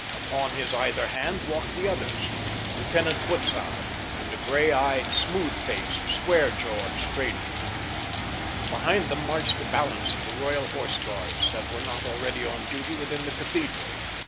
Upon his either hand walked the others—Lieutenant Butzow and a gray eyed, smooth faced, square jawed stranger. Behind them marched the balance of the Royal Horse Guards that were not already on duty within the cathedral.